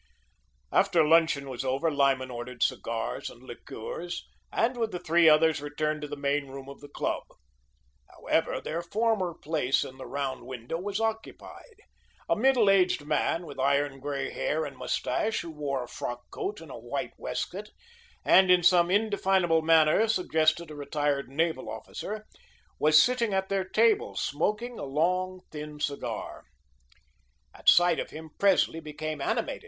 After luncheon was over, Lyman ordered cigars and liqueurs, and with the three others returned to the main room of the club. However, their former place in the round window was occupied. A middle aged man, with iron grey hair and moustache, who wore a frock coat and a white waistcoat, and in some indefinable manner suggested a retired naval officer, was sitting at their table smoking a long, thin cigar. At sight of him, Presley became animated.